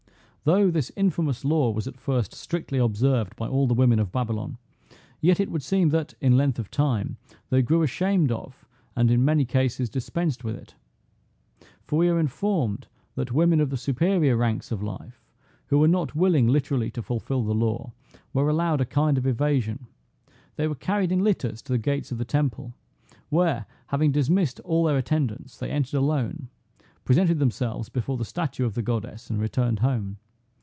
Though this infamous law was at first strictly observed by all the women of Babylon, yet it would seem that, in length of time, they grew ashamed of, and in many cases dispensed with it; for we are informed that women of the superior ranks of life, who were not willing literally to fulfil the law, were allowed a kind of evasion; they were carried in litters to the gates of the temple, where, having dismissed all their attendants, they entered alone, presented themselves before the statue of the goddess, and returned home.